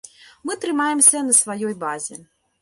Мы трымаемся на сваёй базе.